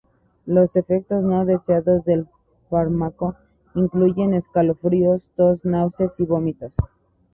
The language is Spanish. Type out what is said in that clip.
Los efectos no deseados del fármaco incluyen escalofríos, tos, náuseas y vómitos.